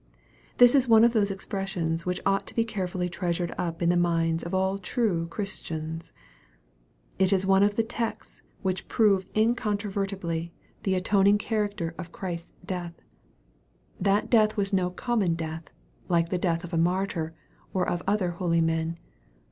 This is one of those expressions which ought to be carefully treasured up in the minds of all true Christians. It is one of the texts which prove incontrovertibly the 220 EXPOSITORY THOUGHTS. atoning character of Christ's death. That death was no common death, like the death of a martyr, or of other holy men.